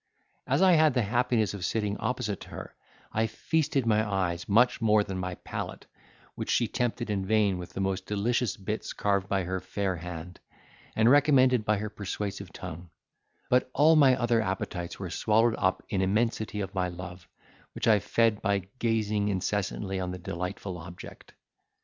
As I had the happiness of sitting opposite to her, I feasted my eyes much more than my palate which she tempted in vain with the most delicious bits carved by her fair hand, and recommended by her persuasive tongue; but all my other appetites were swallowed up in immensity of my love, which I fed by gazing incessantly on the delightful object.